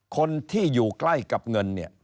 คนที่อยู่ใกล้กับเงินเนี่ย